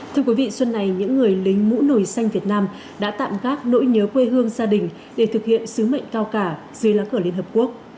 thưa quý vị xuân này những người lính mũ nổi xanh việt nam đã tạm gác nỗi nhớ quê hương gia đình để thực hiện sứ mệnh cao cả dưới lá cờ liên hợp quốc